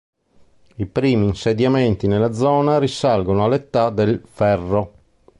I primi insediamenti nella zona risalgono all'Età del Ferro.